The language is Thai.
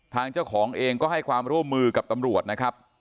ทางเจ้าของเองก็ให้ความร่วมมือกับตำรวจนะครับ